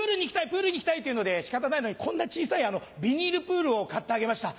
プールに行きたい！と言うので仕方ないのでこんな小さいビニールプールを買ってあげました。